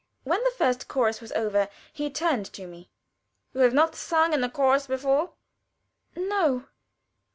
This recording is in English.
When the first chorus was over, he turned to me: "You have not sung in a chorus before?" "No."